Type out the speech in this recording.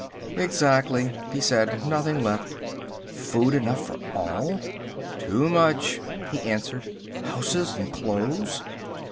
"Exactly," he said, "nothing left." "Food enough for all?" "Too much," he answered. "Houses and clothes?"